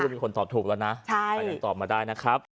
นักศึกษุมีคนตอบถูกแล้วนะใครหนึ่งตอบมาได้นะครับ